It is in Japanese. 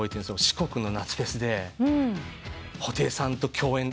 四国の夏フェスで布袋さんと共演。